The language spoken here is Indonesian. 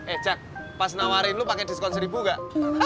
eh jak pas tawarin lu pake diskon seribu gak